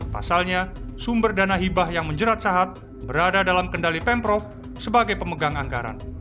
pasalnya sumber dana hibah yang menjerat sahat berada dalam kendali pemprov sebagai pemegang anggaran